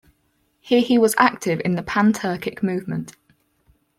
Here he was active in the pan-Turkic movement.